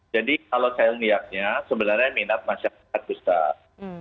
jadi kalau saya niatnya sebenarnya minat masyarakat besar